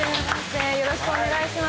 よろしくお願いします。